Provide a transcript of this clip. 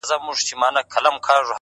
د پيغورونو په مالت کي بې ريا ياري ده.